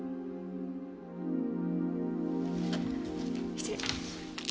失礼。